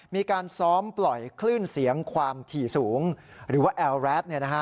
มีการซ้อมปล่อยคลื่นเสียงความถี่สูงหรือว่าแอลแรด